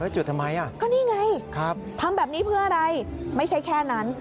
ลูกค้าคนนี้มาบ่อยค่ะแล้วก็มีปัญหามาจากนั้น